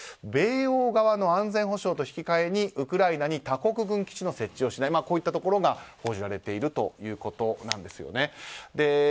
米欧側の安全保障と引き換えにウクライナに他国軍基地を設置しないとこういったところが報じられているということなんですね。